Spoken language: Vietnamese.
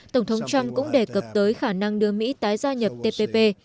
tổng thống trump cũng đề cập tới khả năng đưa mỹ tái gia nhập tpp